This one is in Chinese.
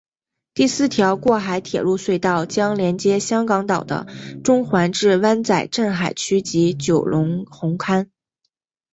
第四条过海铁路隧道将连接香港岛的中环至湾仔填海区及九龙红磡。